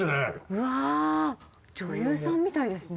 うわぁ女優さんみたいですね。